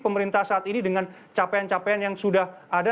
pemerintah saat ini dengan capaian capaian yang sudah ada